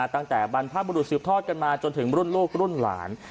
บรรพบุรุษสืบทอดกันมาจนถึงรุ่นลูกรุ่นหลาน